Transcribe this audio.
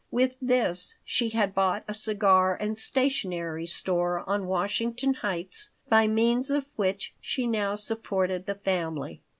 With this she had bought a cigar and stationery store on Washington Heights by means of which she now supported the family.